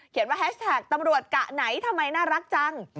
ว่าแฮชแท็กตำรวจกะไหนทำไมน่ารักจัง